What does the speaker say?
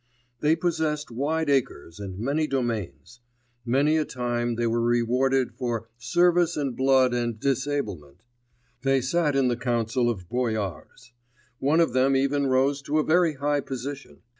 They possessed wide acres and many domains. Many a time they were rewarded for 'service and blood and disablement.' They sat in the Council of Boyars. One of them even rose to a very high position.